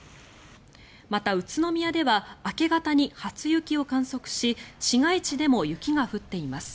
また宇都宮では明け方に初雪を観測し市街地でも雪が降っています。